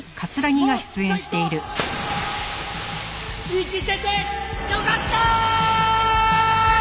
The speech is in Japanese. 「生きててよかったーーー！！」